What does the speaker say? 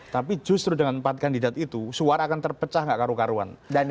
tapi justru dengan empat kandidat itu suara akan terpecah nggak karuan karuan